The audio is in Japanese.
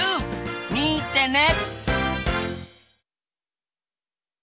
見てね！